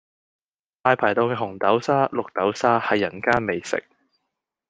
大排檔嘅紅豆沙、綠豆沙係人間美食